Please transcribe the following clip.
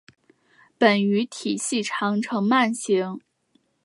本鱼体细长呈鳗形。